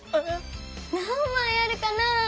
なんまいあるかなぁ？